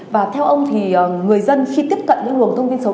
và theo ông thì người dân khi tiếp cận những nguồn thông tin xấu